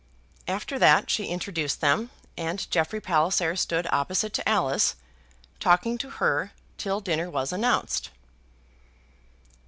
After that she introduced them, and Jeffrey Palliser stood opposite to Alice, talking to her, till dinner was announced.